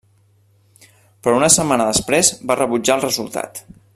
Però una setmana després va rebutjar el resultat.